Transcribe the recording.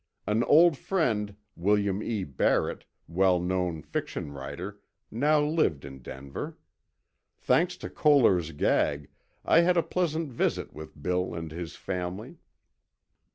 An old friend, William E. Barrett, well known fiction writer, now lived in Denver. Thanks to Koehler's gag, I had a pleasant visit with Bill and his family.